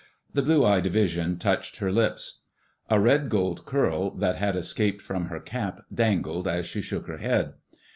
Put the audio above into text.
The blue eyed vision touched her lips. A red gold curl that had escaped from her cap dangled as she shook her head.